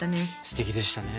すてきでしたね。